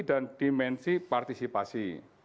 dan dimensi partisipasi